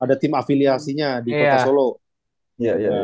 ada tim afiliasinya di kota solo ya ya ya